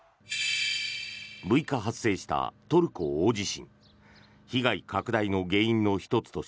６日発生したトルコ大地震。